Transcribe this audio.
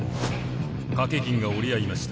賭け金が折り合いました。